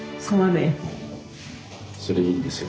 それいいですよ。